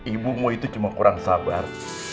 ibumu itu cuma kurang sabar